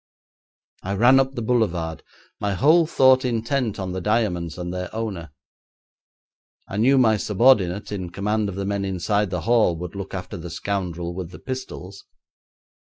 I ran up the boulevard, my whole thought intent on the diamonds and their owner. I knew my subordinate in command of the men inside the hall would look after the scoundrel with the pistols.